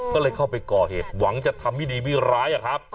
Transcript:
ก็เลยเข้าไปก่อเหตุหวังจะทำไม่ดีไม่ร้ายอะครับ